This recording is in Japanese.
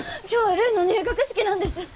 今日はるいの入学式なんです。